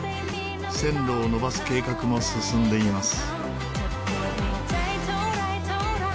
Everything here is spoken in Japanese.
線路を延ばす計画も進んでいます。